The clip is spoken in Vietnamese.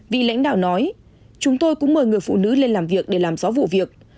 vị lãnh đạo nói chúng tôi cũng mời người phụ nữ lên làm việc để làm rõ vụ việc